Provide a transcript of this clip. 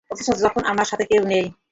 অথচ তখন আমার সাথে কেউ নেই।